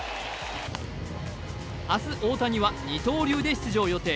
明日、大谷は二刀流で出場予定。